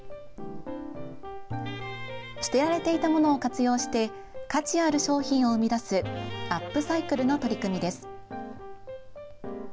捨てられていたものを活用して価値ある商品を生み出すアップサイクルの取り組みです。